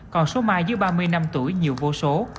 còn số mai dưới ba mươi năm tuổi nhiều vô số